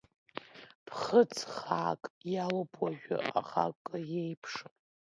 Ԥхыӡ хаак иалоуп уажәы, аха акы еиԥшым.